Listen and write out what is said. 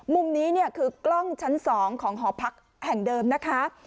มุมนี้เนี่ยคือกล้องชั้น๒ของหอพักแห่งเดิมนะคะ